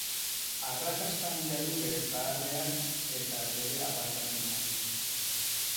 Arrakasta handia du bere zaharrean eta bere apaltasunean.